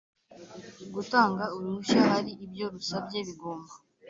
gutanga uruhushya hari ibyo rusabye bigomba